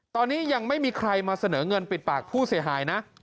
ตอนนี้ยังไม่มีใครมาเสนอเงินปิดปากผู้เสียหายนะ